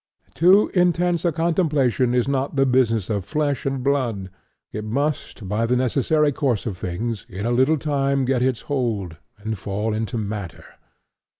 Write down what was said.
Too intense a contemplation is not the business of flesh and blood; it must, by the necessary course of things, in a little time let go its hold, and fall into matter.